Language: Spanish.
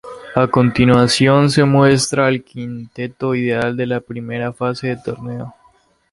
A continuación se muestra al quinteto ideal de la primera fase del torneo.